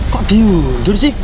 kok diundur sih